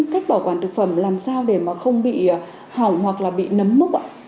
cách bảo quản thực phẩm làm sao để mà không bị hỏng hoặc là bị nấm múc ạ